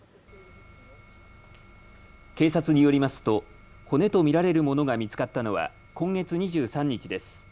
警察によりますと骨と見られるものが見つかったのは今月２３日です。